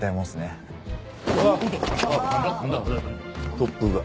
突風が。